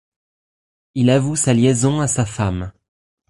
Il avoue sa liaison à sa femme.